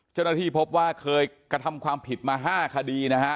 เจ้าหน้าที่พบว่าเคยกระทำความผิดมา๕คดีนะฮะ